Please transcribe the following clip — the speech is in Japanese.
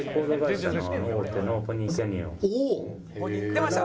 出ました。